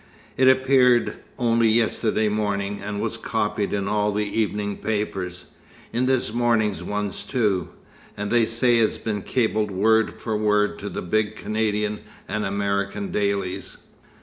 "It appeared only yesterday morning, and was copied in all the evening papers; in this morning's ones too; and they say it's been cabled word for word to the big Canadian and American dailies."